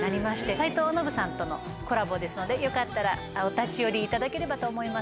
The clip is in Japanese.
斉藤ノヴさんとのコラボですのでよかったらお立ち寄りいただければと思います。